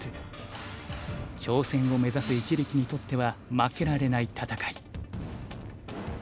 挑戦を目指す一力にとっては負けられない戦い。